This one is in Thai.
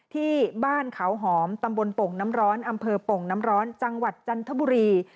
ที่บ้านเขาหอมตำบลโป่งน้ำร้อนอำเภอโป่งน้ำร้อนจังหวัดจันทบุรี